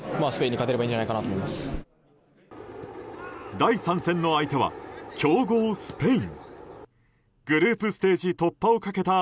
第３戦の相手は強豪スペイン。